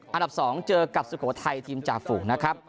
อันดับ๒เจอกับสุโขทัยทีมจ่าฝูงนะครับ